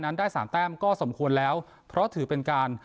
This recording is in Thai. นั้นได้สามแต้มก็สมควรแล้วเพราะถือเป็นการ